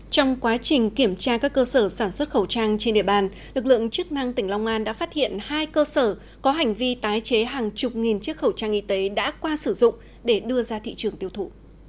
trong quá trình kiểm tra các cơ sở sản xuất khẩu trang trên địa bàn lực lượng chức năng tỉnh long an đã phát hiện hai cơ sở có hành vi tái chế hàng chục nghìn chiếc khẩu trang y tế đã qua sử dụng để đưa ra thị trường tiêu thụ